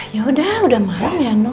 yaudah udah malem ya no